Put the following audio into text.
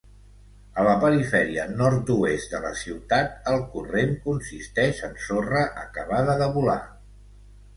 A la perifèria nord-oest de la ciutat, el corrent consisteix en sorra acabada de volar.